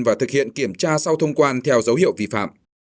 và thực hiện kiểm tra sau thông quan theo dấu hiệu vi phạm